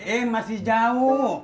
im masih jauh